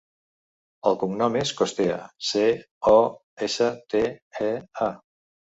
El cognom és Costea: ce, o, essa, te, e, a.